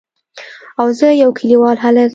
او زه يو کليوال هلک.